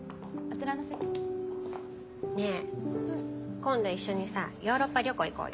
今度一緒にさヨーロッパ旅行行こうよ。